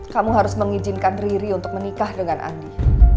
kamu harus mengizinkan riri untuk menikah dengan andi